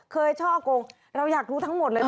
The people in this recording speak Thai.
ช่อกงเราอยากรู้ทั้งหมดเลย